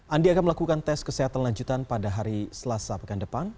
andi akan melakukan tes kesehatan lanjutan pada hari selasa pekan depan